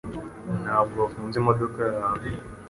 Ntabwo wafunze imodoka yawe